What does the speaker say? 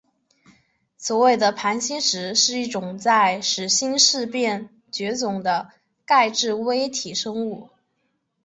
所谓的盘星石是一种在始新世便绝种的钙质微体生物。